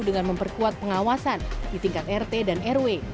dengan memperkuat pengawasan di tingkat rt dan rw